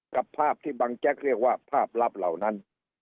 กับภาพที่บังแจ๊กเรียกว่าภาพลับเหล่านั้น